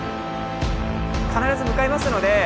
必ず向かいますので。